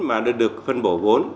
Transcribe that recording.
mà được phân bổ vốn